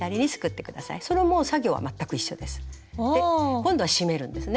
今度は締めるんですね